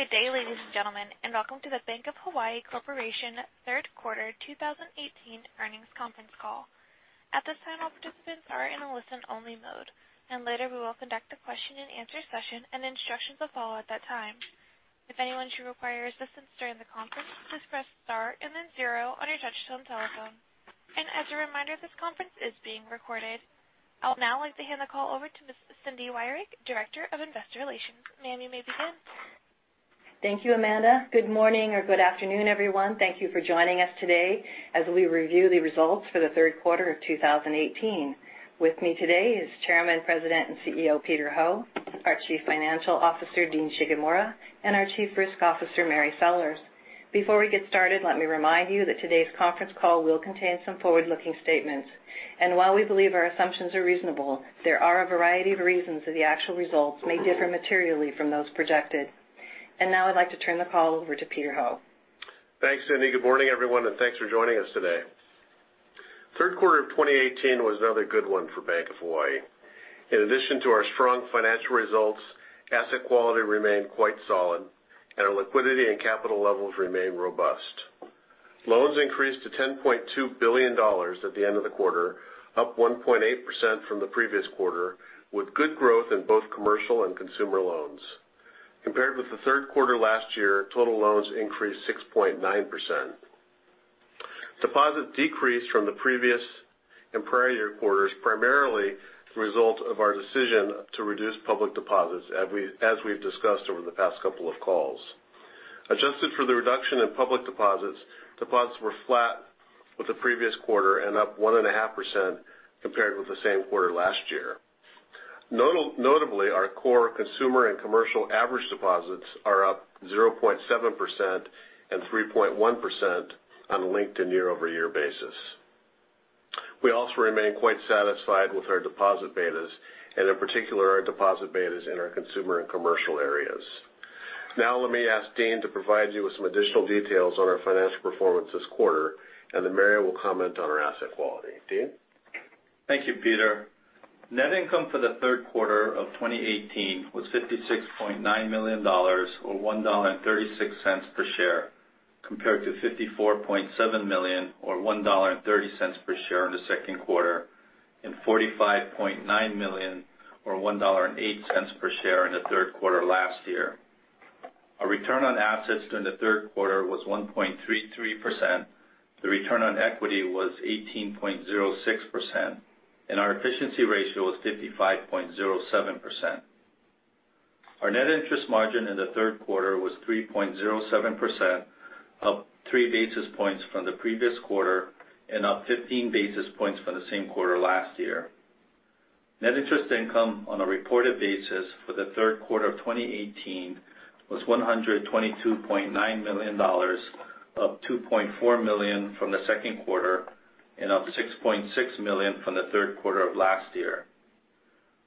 Good day, ladies and gentlemen. Welcome to the Bank of Hawaii Corporation third quarter 2018 earnings conference call. At this time, all participants are in a listen-only mode, and later we will conduct a question and answer session, and instructions will follow at that time. If anyone should require assistance during the conference, just press star and then zero on your touch-tone telephone. As a reminder, this conference is being recorded. I would now like to hand the call over to Ms. Cindy Wyrick, Director of Investor Relations. Ma'am, you may begin. Thank you, Amanda. Good morning or good afternoon, everyone. Thank you for joining us today as we review the results for the third quarter of 2018. With me today is Chairman, President, and CEO, Peter Ho, our Chief Financial Officer, Dean Shigemura, and our Chief Risk Officer, Mary Sellers. Before we get started, let me remind you that today's conference call will contain some forward-looking statements. While we believe our assumptions are reasonable, there are a variety of reasons that the actual results may differ materially from those projected. Now I'd like to turn the call over to Peter Ho. Thanks, Cindy. Good morning, everyone, and thanks for joining us today. Third quarter of 2018 was another good one for Bank of Hawaii. In addition to our strong financial results, asset quality remained quite solid, and our liquidity and capital levels remain robust. Loans increased to $10.2 billion at the end of the quarter, up 1.8% from the previous quarter, with good growth in both commercial and consumer loans. Compared with the third quarter last year, total loans increased 6.9%. Deposits decreased from the previous and prior year quarters, primarily the result of our decision to reduce public deposits as we've discussed over the past couple of calls. Adjusted for the reduction in public deposits were flat with the previous quarter and up 1.5% compared with the same quarter last year. Notably, our core consumer and commercial average deposits are up 0.7% and 3.1% on a linked and year-over-year basis. We also remain quite satisfied with our deposit betas and in particular, our deposit betas in our consumer and commercial areas. Now let me ask Dean to provide you with some additional details on our financial performance this quarter, and then Mary will comment on our asset quality. Dean? Thank you, Peter. Net income for the third quarter of 2018 was $56.9 million, or $1.36 per share, compared to $54.7 million, or $1.30 per share in the second quarter, and $45.9 million, or $1.08 per share in the third quarter last year. Our return on assets during the third quarter was 1.33%. The return on equity was 18.06%, and our efficiency ratio was 55.07%. Our net interest margin in the third quarter was 3.07%, up three basis points from the previous quarter and up 15 basis points from the same quarter last year. Net interest income on a reported basis for the third quarter of 2018 was $122.9 million, up $2.4 million from the second quarter and up $6.6 million from the third quarter of last year.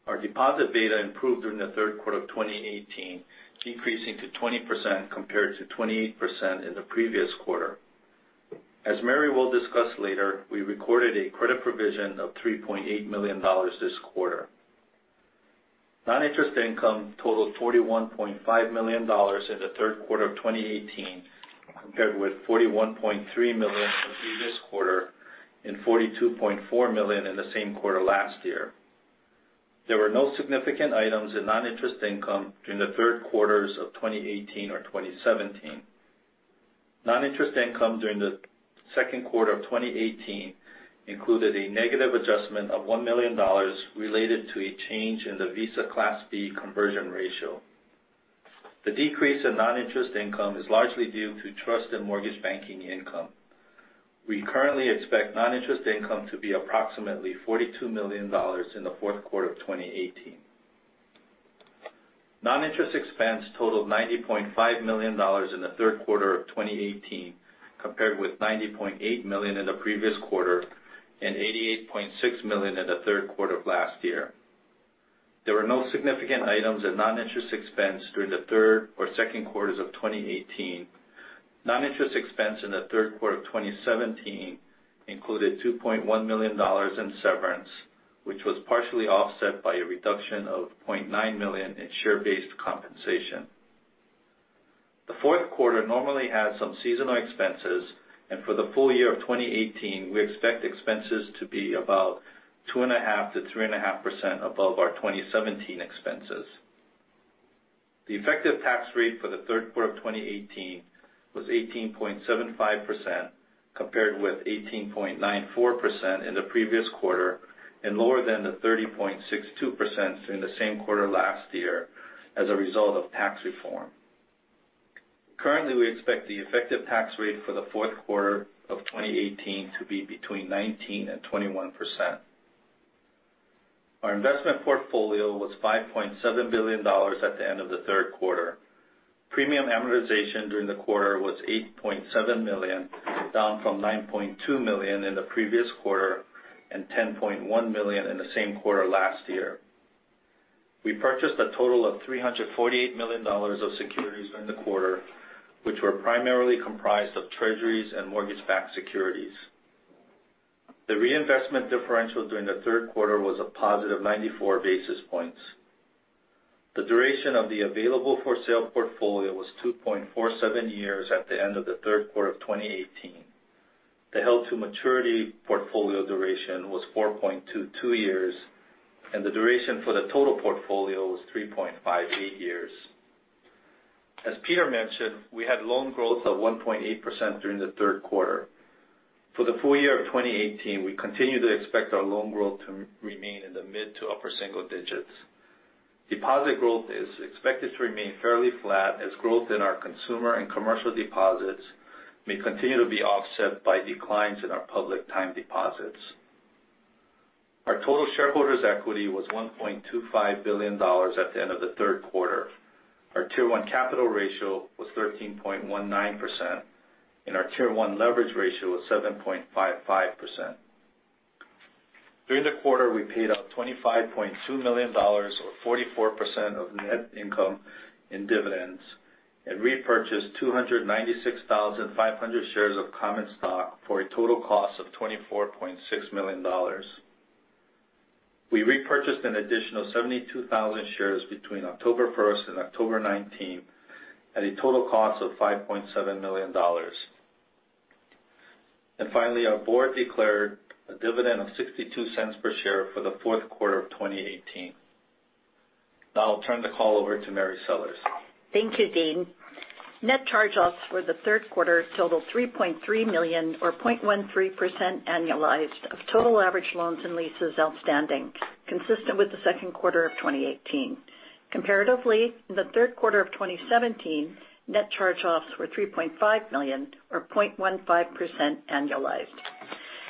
Our deposit beta improved during the third quarter of 2018, decreasing to 20% compared to 28% in the previous quarter. As Mary will discuss later, we recorded a credit provision of $3.8 million this quarter. Noninterest income totaled $41.5 million in the third quarter of 2018, compared with $41.3 million the previous quarter and $42.4 million in the same quarter last year. There were no significant items in noninterest income during the third quarters of 2018 or 2017. Noninterest income during the second quarter of 2018 included a negative adjustment of $1 million related to a change in the Visa Class B conversion ratio. The decrease in noninterest income is largely due to trust and mortgage banking income. We currently expect noninterest income to be approximately $42 million in the fourth quarter of 2018. Non-interest expense totaled $90.5 million in the third quarter of 2018, compared with $90.8 million in the previous quarter and $88.6 million in the third quarter of last year. There were no significant items in non-interest expense during the third or second quarters of 2018. Non-interest expense in the third quarter of 2017 included $2.1 million in severance, which was partially offset by a reduction of $0.9 million in share-based compensation. The fourth quarter normally has some seasonal expenses, for the full year of 2018, we expect expenses to be about 2.5%-3.5% above our 2017 expenses. The effective tax rate for the third quarter of 2018 was 18.75%, compared with 18.94% in the previous quarter and lower than the 30.62% during the same quarter last year as a result of tax reform. Currently, we expect the effective tax rate for the fourth quarter of 2018 to be between 19% and 21%. Our investment portfolio was $5.7 billion at the end of the third quarter. Premium amortization during the quarter was $8.7 million, down from $9.2 million in the previous quarter and $10.1 million in the same quarter last year. We purchased a total of $348 million of securities during the quarter, which were primarily comprised of treasuries and mortgage-backed securities. The reinvestment differential during the third quarter was a positive 94 basis points. The duration of the available-for-sale portfolio was 2.47 years at the end of the third quarter of 2018. The held-to-maturity portfolio duration was 4.22 years, and the duration for the total portfolio was 3.58 years. As Peter mentioned, we had loan growth of 1.8% during the third quarter. For the full year of 2018, we continue to expect our loan growth to remain in the mid to upper single digits. Deposit growth is expected to remain fairly flat as growth in our consumer and commercial deposits may continue to be offset by declines in our public time deposits. Our total shareholders' equity was $1.25 billion at the end of the third quarter. Our Tier 1 capital ratio was 13.19%, and our Tier 1 leverage ratio was 7.55%. During the quarter, we paid out $25.2 million, or 44% of net income in dividends and repurchased 296,500 shares of common stock for a total cost of $24.6 million. We repurchased an additional 72,000 shares between October 1st and October 19th at a total cost of $5.7 million. Finally, our board declared a dividend of $0.62 per share for the fourth quarter of 2018. I'll turn the call over to Mary Sellers. Thank you, Dean. Net charge-offs for the third quarter totaled $3.3 million, or 0.13% annualized of total average loans and leases outstanding, consistent with the second quarter of 2018. Comparatively, in the third quarter of 2017, net charge-offs were $3.5 million, or 0.15% annualized.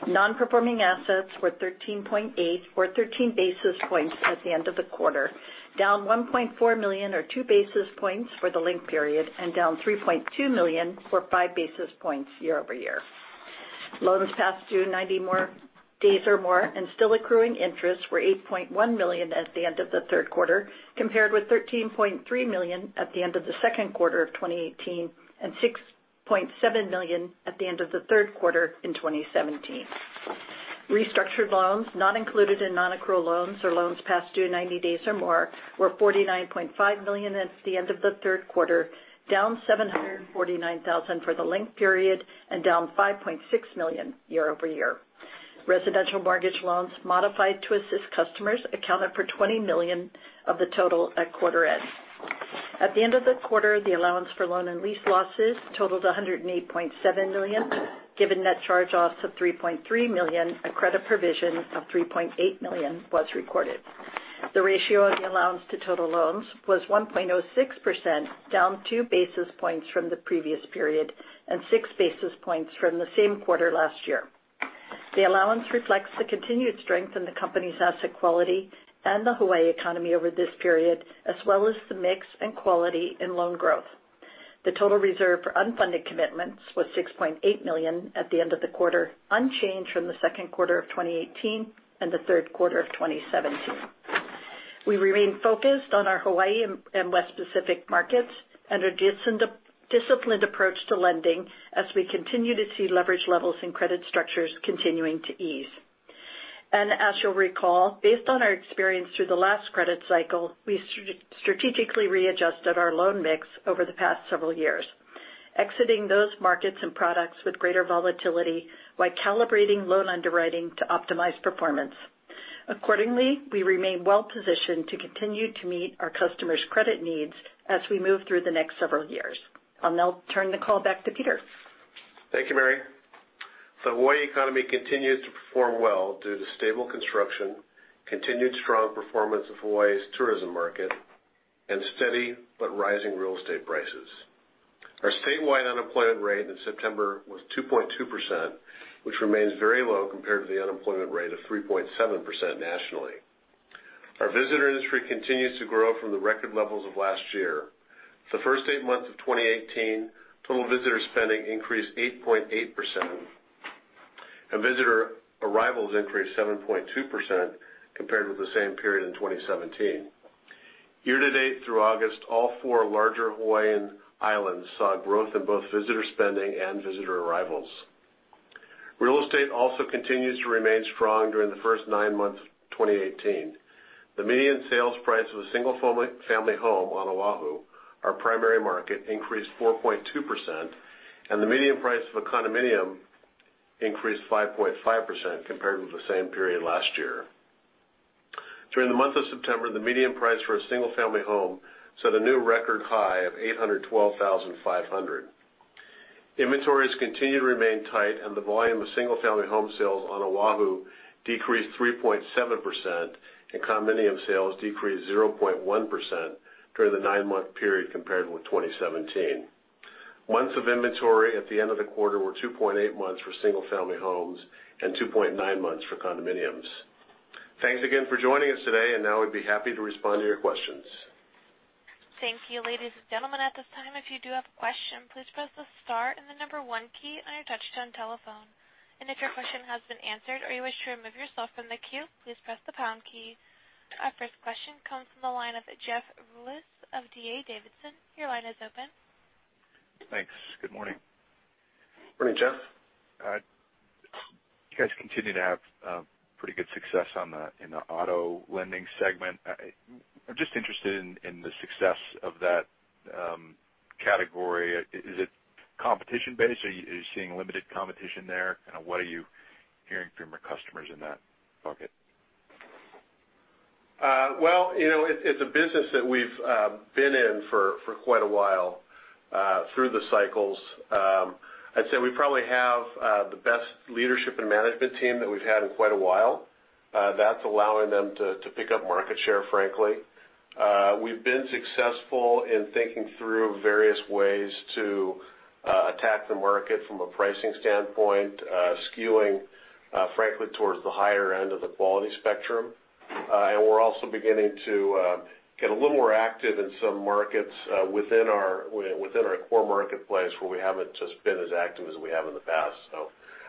Non-performing assets were $13.8 million or 13 basis points at the end of the quarter, down $1.4 million or 2 basis points for the linked period and down $3.2 million or 5 basis points year-over-year. Loans past due 90 days or more and still accruing interest were $8.1 million at the end of the third quarter, compared with $13.3 million at the end of the second quarter of 2018 and $6.7 million at the end of the third quarter in 2017. Restructured loans not included in non-accrual loans or loans past due 90 days or more were $49.5 million at the end of the third quarter, down $749,000 for the linked period and down $5.6 million year-over-year. Residential mortgage loans modified to assist customers accounted for $20 million of the total at quarter end. At the end of the quarter, the allowance for loan and lease losses totaled $108.7 million. Given net charge-offs of $3.3 million, a credit provision of $3.8 million was recorded. The ratio of the allowance to total loans was 1.06%, down two basis points from the previous period and six basis points from the same quarter last year. The allowance reflects the continued strength in the company's asset quality and the Hawaii economy over this period, as well as the mix and quality in loan growth. The total reserve for unfunded commitments was $6.8 million at the end of the quarter, unchanged from the second quarter of 2018 and the third quarter of 2017. We remain focused on our Hawaii and West Pacific markets and a disciplined approach to lending as we continue to see leverage levels and credit structures continuing to ease. As you'll recall, based on our experience through the last credit cycle, we strategically readjusted our loan mix over the past several years, exiting those markets and products with greater volatility while calibrating loan underwriting to optimize performance. Accordingly, we remain well positioned to continue to meet our customers' credit needs as we move through the next several years. I'll now turn the call back to Peter. Thank you, Mary. The Hawaii economy continues to perform well due to stable construction, continued strong performance of Hawaii's tourism market, and steady but rising real estate prices. Our statewide unemployment rate in September was 2.2%, which remains very low compared to the unemployment rate of 3.7% nationally. Our visitor industry continues to grow from the record levels of last year. For the first 8 months of 2018, total visitor spending increased 8.8%, and visitor arrivals increased 7.2% compared with the same period in 2017. Year to date through August, all four larger Hawaiian islands saw growth in both visitor spending and visitor arrivals. Real estate also continues to remain strong during the first nine months of 2018. The median sales price of a single-family home on Oahu, our primary market, increased 4.2%, and the median price of a condominium increased 5.5% compared with the same period last year. During the month of September, the median price for a single-family home set a new record high of $812,500. Inventories continue to remain tight. The volume of single-family home sales on Oahu decreased 3.7%, and condominium sales decreased 0.1% during the nine-month period compared with 2017. Months of inventory at the end of the quarter were 2.8 months for single-family homes and 2.9 months for condominiums. Thanks again for joining us today. Now we'd be happy to respond to your questions. Thank you, ladies and gentlemen. At this time, if you do have a question, please press the star and the number 1 key on your touch-tone telephone. If your question has been answered or you wish to remove yourself from the queue, please press the pound key. Our first question comes from the line of Jeffrey Rulis of D.A. Davidson. Your line is open. Thanks. Good morning. Morning, Jeff. You guys continue to have pretty good success in the auto lending segment. I'm just interested in the success of that category. Is it competition-based? Are you seeing limited competition there? What are you hearing from your customers in that bucket? Well, it's a business that we've been in for quite a while through the cycles. I'd say we probably have the best leadership and management team that we've had in quite a while. That's allowing them to pick up market share, frankly. We've been successful in thinking through various ways to attack the market from a pricing standpoint, skewing frankly towards the higher end of the quality spectrum. We're also beginning to get a little more active in some markets within our core marketplace where we haven't just been as active as we have in the past.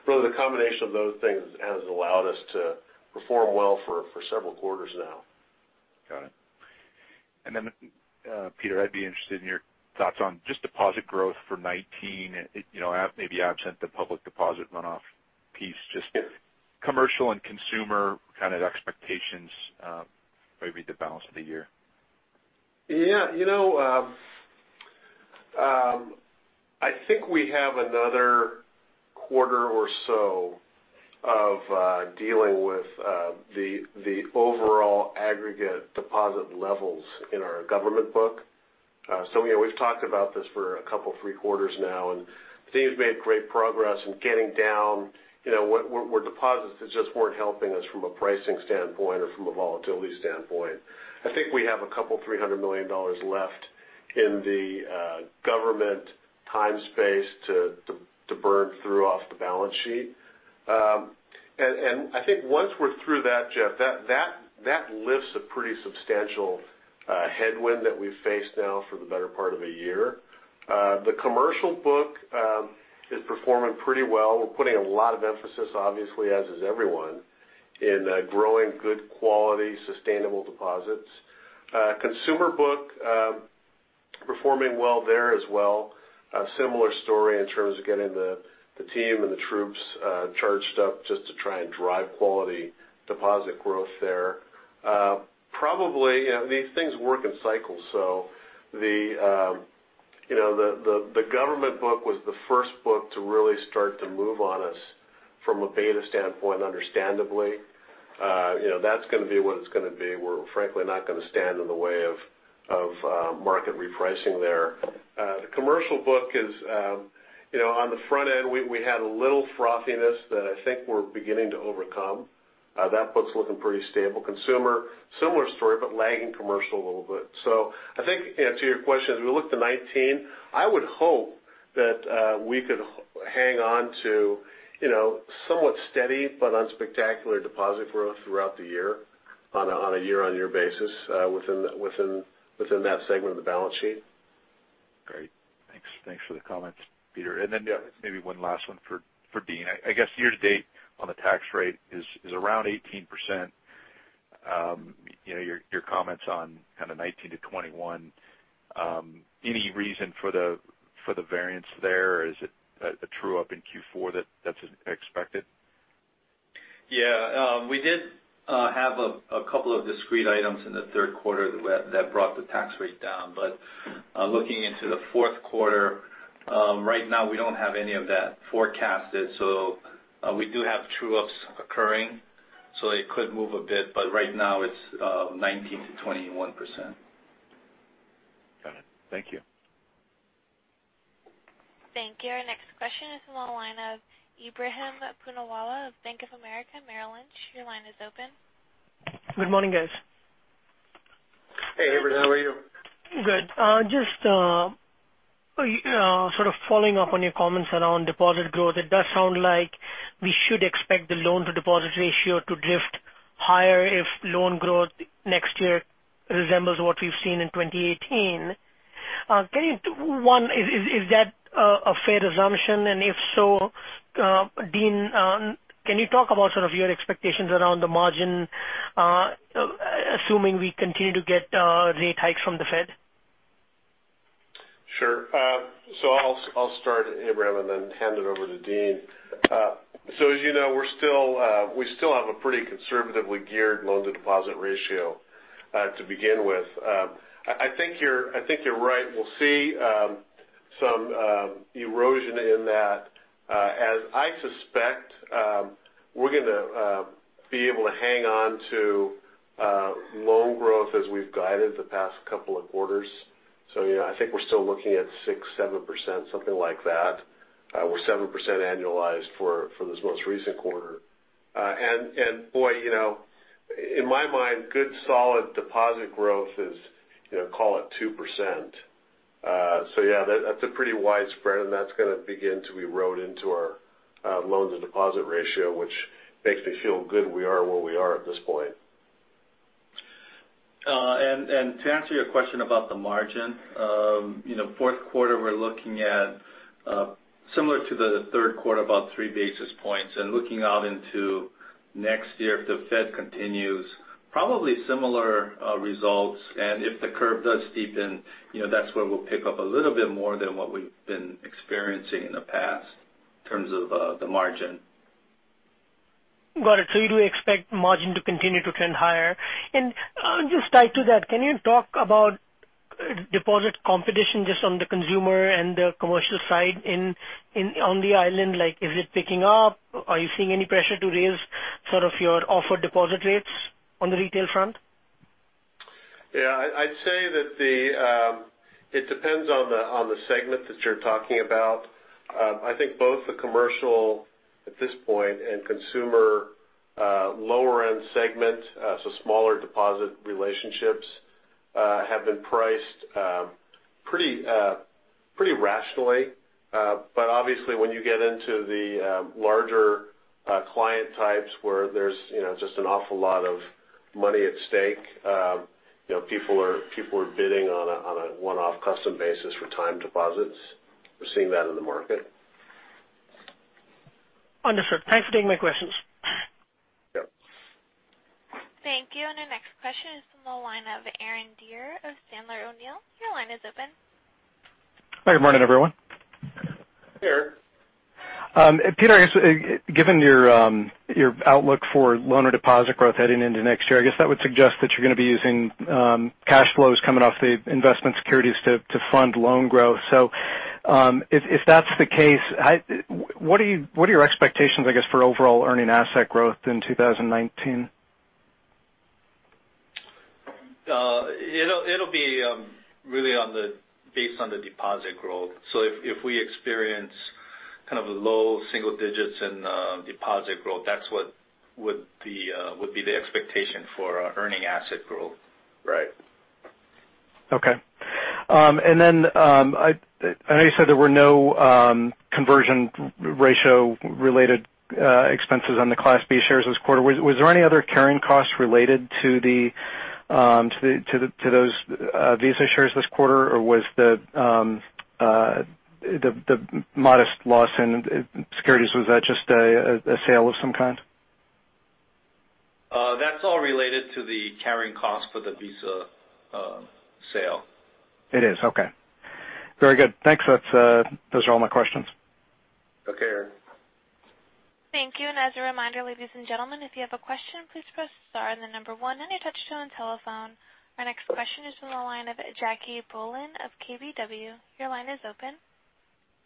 Really the combination of those things has allowed us to perform well for several quarters now. Got it. Then, Peter, I'd be interested in your thoughts on just deposit growth for 2019, maybe absent the public deposit runoff piece, just commercial and consumer kind of expectations, maybe the balance of the year. I think we have another quarter or so of dealing with the overall aggregate deposit levels in our government book. We've talked about this for a couple, three quarters now, and the team's made great progress in getting down where deposits just weren't helping us from a pricing standpoint or from a volatility standpoint. I think we have a couple, $300 million left in the government time space to burn through off the balance sheet. I think once we're through that, Jeff, that lifts a pretty substantial headwind that we've faced now for the better part of a year. The commercial book is performing pretty well. We're putting a lot of emphasis, obviously, as is everyone, in growing good quality, sustainable deposits. Consumer book, performing well there as well. A similar story in terms of getting the team and the troops charged up just to try and drive quality deposit growth there. Probably, these things work in cycles, the government book was the first book to really start to move on us from a beta standpoint, understandably. That's going to be what it's going to be. We're frankly not going to stand in the way of market repricing there. The commercial book is on the front end, we had a little frothiness that I think we're beginning to overcome. That book's looking pretty stable. Consumer, similar story, but lagging commercial a little bit. I think, to answer your question, as we look to 2019, I would hope that we could hang on to somewhat steady but unspectacular deposit growth throughout the year on a year-over-year basis within that segment of the balance sheet. Great. Thanks for the comments, Peter. Then just maybe one last one for Dean. I guess year-to-date on the tax rate is around 18%. Your comments on kind of 19% to 21%, any reason for the variance there? Is it a true up in Q4 that's expected? We did have a couple of discrete items in the third quarter that brought the tax rate down. Looking into the fourth quarter, right now we don't have any of that forecasted. We do have true ups occurring, it could move a bit, but right now it's 19%-21%. Got it. Thank you. Thank you. Our next question is on the line of Ebrahim Poonawala of Bank of America Merrill Lynch. Your line is open. Good morning, guys. Hey, Ebrahim. How are you? Good. Just sort of following up on your comments around deposit growth. It does sound like we should expect the loan-to-deposit ratio to drift higher if loan growth next year resembles what we've seen in 2018. One, is that a fair assumption? If so, Dean, can you talk about sort of your expectations around the margin, assuming we continue to get rate hikes from the Fed? Sure. I'll start, Ebrahim, and then hand it over to Dean. As you know, we still have a pretty conservatively geared loan-to-deposit ratio to begin with. I think you're right. We'll see some erosion in that as I suspect we're going to be able to hang on to loan growth as we've guided the past couple of quarters. I think we're still looking at 6%-7%, something like that. We're 7% annualized for this most recent quarter. Boy, in my mind, good solid deposit growth is, call it 2%. Yeah, that's a pretty wide spread and that's going to begin to erode into our loan-to-deposit ratio, which makes me feel good we are where we are at this point. To answer your question about the margin, fourth quarter we're looking at Similar to the third quarter, about three basis points. Looking out into next year, if the Fed continues, probably similar results. If the curve does steepen, that's where we'll pick up a little bit more than what we've been experiencing in the past in terms of the margin. Got it. You do expect margin to continue to trend higher. Just tied to that, can you talk about deposit competition just on the consumer and the commercial side on the island? Is it picking up? Are you seeing any pressure to raise your offered deposit rates on the retail front? Yeah, I'd say that it depends on the segment that you're talking about. I think both the commercial at this point and consumer lower-end segment, so smaller deposit relationships, have been priced pretty rationally. Obviously, when you get into the larger client types where there's just an awful lot of money at stake, people are bidding on a one-off custom basis for time deposits. We're seeing that in the market. Understood. Thanks for taking my questions. Yep. Thank you. Our next question is from the line of Erin Dier of Sandler O'Neill. Your line is open. Hi, good morning, everyone. Erin. Peter, given your outlook for loan or deposit growth heading into next year, that would suggest that you're going to be using cash flows coming off the investment securities to fund loan growth. If that's the case, what are your expectations for overall earning asset growth in 2019? It'll be really based on the deposit growth. If we experience kind of low single digits in deposit growth, that's what would be the expectation for our earning asset growth. Right. Okay. I know you said there were no conversion ratio related expenses on the Class B shares this quarter. Was there any other carrying costs related to those Visa shares this quarter, or was the modest loss in securities, was that just a sale of some kind? That's all related to the carrying cost for the Visa sale. It is? Okay. Very good. Thanks. Those are all my questions. Okay, Erin. As a reminder, ladies and gentlemen, if you have a question, please press star and the number 1 on your touchtone telephone. Our next question is from the line of [Jackie Bohlen] of KBW. Your line is open.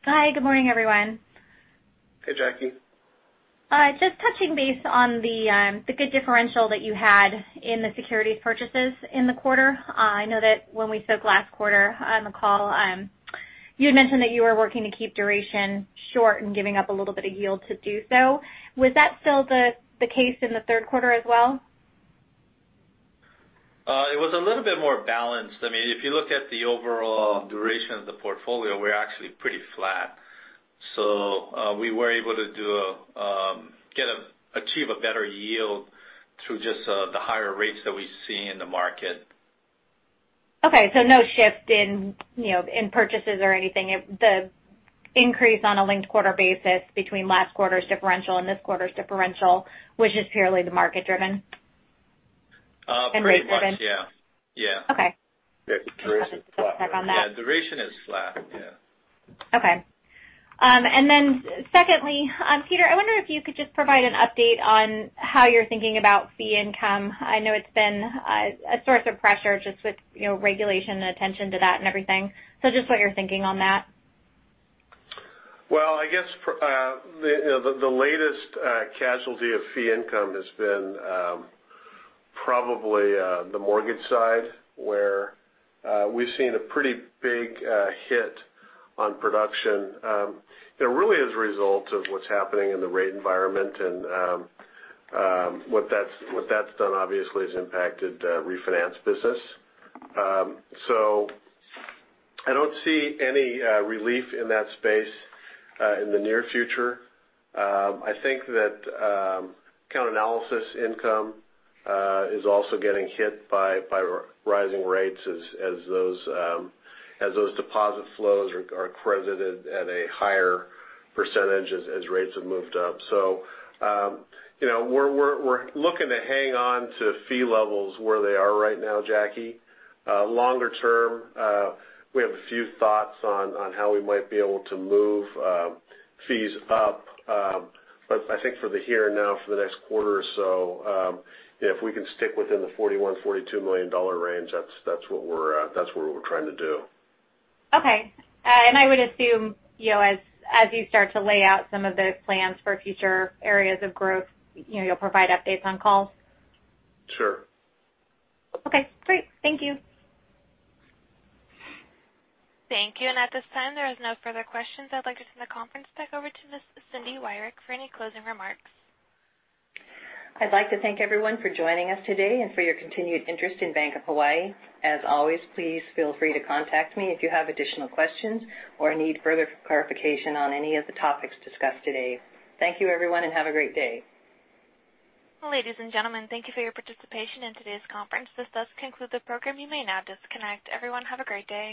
Hi, good morning, everyone. Hey, Jackie. Just touching base on the good differential that you had in the securities purchases in the quarter. I know that when we spoke last quarter on the call, you had mentioned that you were working to keep duration short and giving up a little bit of yield to do so. Was that still the case in the third quarter as well? It was a little bit more balanced. If you look at the overall duration of the portfolio, we're actually pretty flat. We were able to achieve a better yield through just the higher rates that we see in the market. Okay, no shift in purchases or anything. The increase on a linked quarter basis between last quarter's differential and this quarter's differential was just purely the market driven? Pretty much. Rate driven? Yeah. Okay. Yeah. Duration's flat. Check on that. Yeah. Duration is flat. Yeah. Okay. Then secondly, Peter, I wonder if you could just provide an update on how you're thinking about fee income. I know it's been a source of pressure just with regulation and attention to that and everything. Just what you're thinking on that. Well, I guess the latest casualty of fee income has been probably the mortgage side, where we've seen a pretty big hit on production. It really is a result of what's happening in the rate environment and what that's done obviously has impacted refinance business. I don't see any relief in that space in the near future. I think that account analysis income is also getting hit by rising rates as those deposit flows are credited at a higher percentage as rates have moved up. We're looking to hang on to fee levels where they are right now, Jackie. Longer term, we have a few thoughts on how we might be able to move fees up. I think for the here and now, for the next quarter or so, if we can stick within the $41, $42 million range, that's what we're trying to do. Okay. I would assume as you start to lay out some of the plans for future areas of growth, you'll provide updates on calls? Sure. Okay, great. Thank you. Thank you. At this time, there is no further questions. I'd like to turn the conference back over to Ms. Cindy Wyrick for any closing remarks. I'd like to thank everyone for joining us today and for your continued interest in Bank of Hawaii. As always, please feel free to contact me if you have additional questions or need further clarification on any of the topics discussed today. Thank you, everyone, and have a great day. Ladies and gentlemen, thank you for your participation in today's conference. This does conclude the program. You may now disconnect. Everyone have a great day.